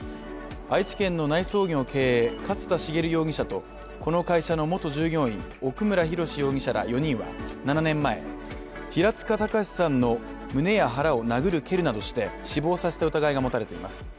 愛知県の内装業経営、勝田茂容疑者とこの会社の元従業員、奥村博容疑者ら４人は７年前、平塚崇さんの胸や腹を殴る蹴るなどして死亡させた疑いが持たれています。